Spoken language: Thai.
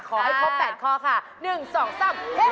ขอให้พบ๘ข้อค่ะ๑๒๓หยิบ